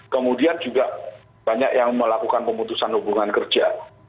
kemudian juga banyak yang melakukan pemutusan hubungan kerja